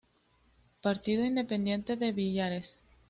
Partido Independiente de Villares.